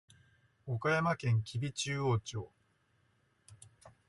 岡山県吉備中央町